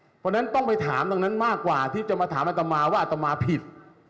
เพราะฉะนั้นต้องไปถามตรงนั้นมากกว่าที่จะมาถามอัตมาว่าอัตมาผิด